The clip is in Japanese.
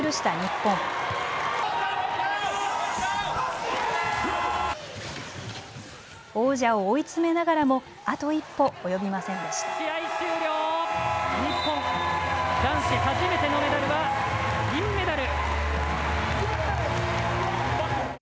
日本、男子初めてのメダルは銀メダル！